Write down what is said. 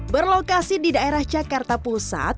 berlokasi di daerah jakarta pusat